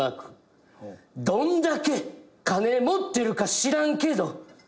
どんだけ金持ってるか知らんけどええ